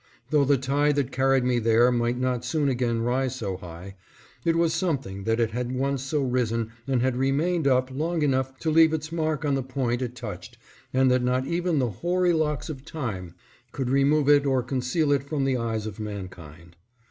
Though the tide that carried me there might not soon again rise so high, it was something that it had once so risen and had remained up long enough to leave its mark on the point it touched and that not even the hoary locks of Time could remove it or conceal it from the eyes of mankind.